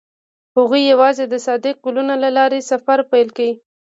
هغوی یوځای د صادق ګلونه له لارې سفر پیل کړ.